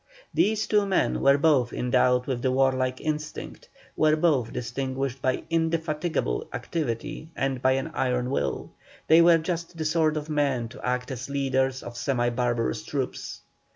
These two men were both endowed with the warlike instinct, were both distinguished by indefatigable activity and by an iron will; they were just the sort of men to act as leaders of semi barbarous troops.